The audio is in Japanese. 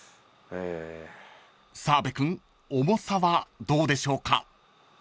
［澤部君重さはどうでしょうか？］